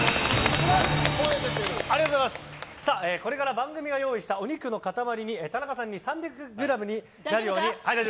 これから番組が用意したお肉の塊に田中さんに３００ｇになるよう。